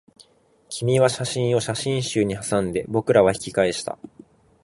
君は写真を写真集にはさんで、僕らは引き返した